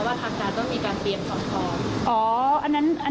ว่าทางการต้องมีการเตรียมสำคัญ